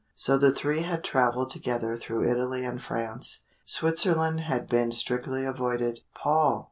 So the three had travelled together through Italy and France Switzerland had been strictly avoided. "Paul!